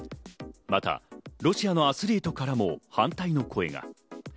またロシアのアスリートからも反対の声が。